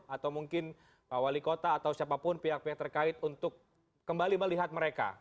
atau mungkin pak wali kota atau siapapun pihak pihak terkait untuk kembali melihat mereka